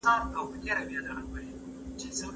هر انسان په خپل ژوند کې یو ارمان لري.